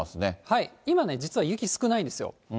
今、実は雪、少ないんですよ。